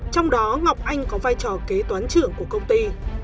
trong đó ngọc anh có vai trò kế toán trưởng của công ty